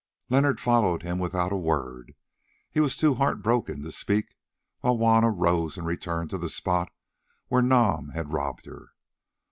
Leonard followed him without a word; he was too heart broken to speak, while Juanna rose and returned to the spot where Nam had robbed her.